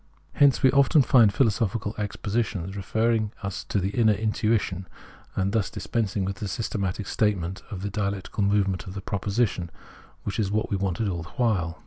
Hence we often find philosophical expositions referring us to the inner intuition, and thus dispensing with the systematic statement of the dialectical movement of the proposition, which is what we wanted all the while.